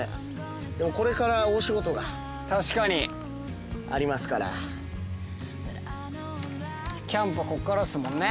でもこれから大仕事が確かにありますからキャンプここからですもんね